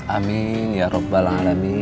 amin ya robbal alamin